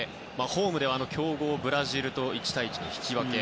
ホームでは強豪ブラジルと１対１の引き分け。